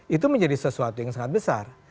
itu menjadi sesuatu yang sangat besar